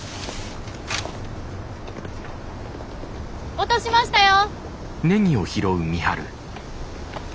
落としましたよ！